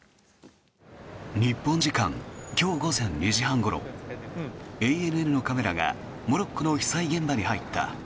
日本時間今日午前２時半ごろＡＮＮのカメラがモロッコの被災現場に入った。